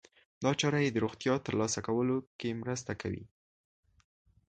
دا چاره يې د روغتیا ترلاسه کولو کې مرسته کوي.